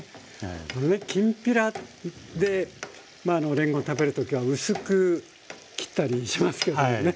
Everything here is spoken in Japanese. このねきんぴらでれんこん食べる時は薄く切ったりしますけどもね。はい。